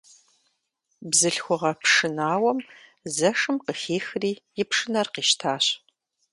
Бзылъхугъэ пшынауэм Зэшым къыхихри и пшынэр къищтащ.